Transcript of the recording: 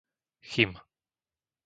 Chym